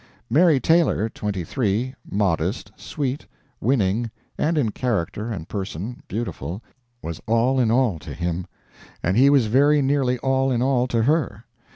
Mary Taylor, twenty three, modest, sweet, winning, and in character and person beautiful, was all in all to him. And he was very nearly all in all to her.